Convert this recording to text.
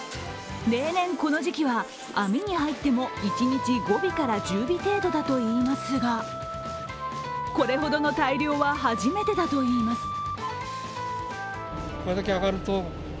例年この時期は網に入っても一日５１０尾程度だといいますがこれほどの大漁は初めてだといいます。